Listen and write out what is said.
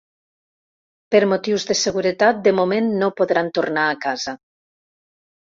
Per motius de seguretat, de moment no podran tornar a casa.